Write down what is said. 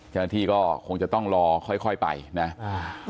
จากนั้นที่ก็คงจะต้องรอค่อยไปนะครับ